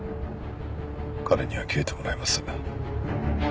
彼には消えてもらいます。